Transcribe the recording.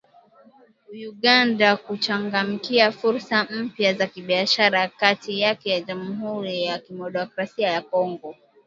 Uganda kuchangamkia fursa mpya za kibiashara kati yake na Jamhuri ya Kidemokrasia ya Kongo